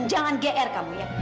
jangan gr kamu ya